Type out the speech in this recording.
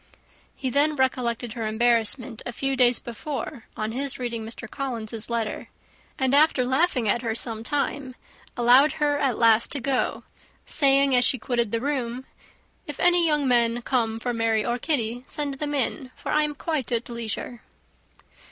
He then recollected her embarrassment a few days before on his reading Mr. Collins's letter; and after laughing at her some time, allowed her at last to go, saying, as she quitted the room, "If any young men come for Mary or Kitty, send them in, for I am quite at leisure."